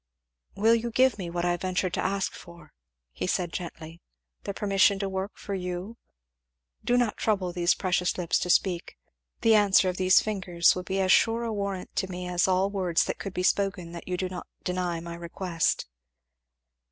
"Will you give me what I ventured to ask for?" said he gently, "the permission to work for you? Do not trouble those precious lips to speak the answer of these fingers will be as sure a warrant to me as all words that could be spoken that you do not deny my request."